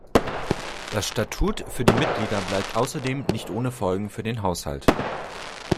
Das Statut für die Mitglieder bleibt außerdem nicht ohne Folgen für den Haushalt.